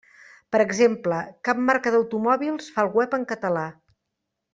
Per exemple, cap marca d'automòbils fa el web en català.